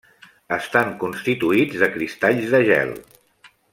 Estan constituïts de cristalls de gel.